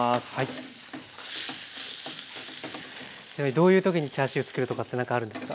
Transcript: どういう時にチャーシューつくるとかってあるんですか？